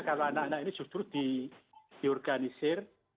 kalau anak anak ini justru diorganisir